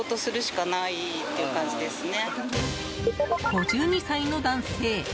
５２歳の男性。